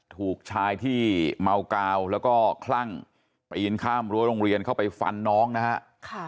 ถูกชายที่เมากาวแล้วก็คลั่งปีนข้ามรั้วโรงเรียนเข้าไปฟันน้องนะฮะ